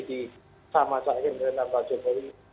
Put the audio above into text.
di masa akhir dengan pak jokowi